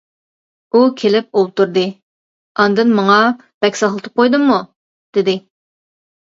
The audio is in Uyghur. ئۇ كېلىپ ئولتۇردى، ئاندىن ماڭا، بەك ساقلىتىپ قويدۇممۇ، دېدى.